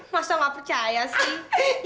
masa gak percaya sih